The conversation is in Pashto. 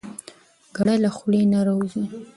ګړه له خولې نه راوځي.